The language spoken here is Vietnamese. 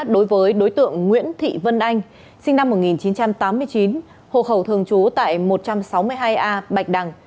đối với đối tượng nguyễn thị vân anh sinh năm một nghìn chín trăm tám mươi chín hộ khẩu thường trú tại một trăm sáu mươi hai a bạch đằng